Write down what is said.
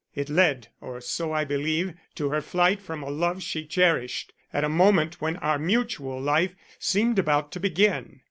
It led, or so I believe, to her flight from a love she cherished, at a moment when our mutual life seemed about to begin."